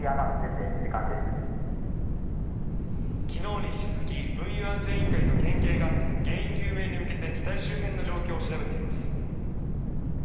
昨日に引き続き運輸安全委員会と県警が原因究明に向けて機体周辺の状況を調べています。